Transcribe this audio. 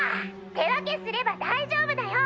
手分けすれば大丈夫だよ！